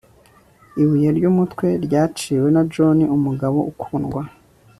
Ibuye ryumutwe ryaciwe na John Umugabo Ukundwa